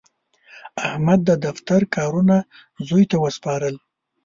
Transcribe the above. احمد د دفتر کارونه زوی ته وسپارل.